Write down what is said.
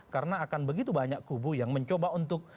karena akan begitu banyak kubu yang mencoba untuk